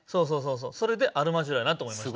それでアルマジロやなと思いました。